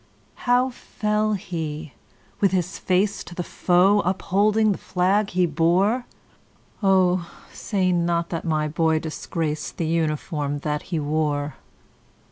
"How fell he,—with his face to the foe, Upholding the flag he bore? Oh, say not that my boy disgracedThe uniform that he wore!"